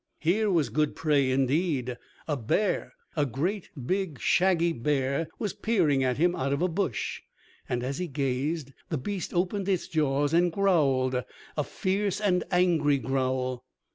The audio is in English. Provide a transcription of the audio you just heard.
Here was good prey indeed! A bear, a great big shaggy bear was peering at him out of a bush, and as he gazed the beast opened its jaws and growled, a fierce and angry growl.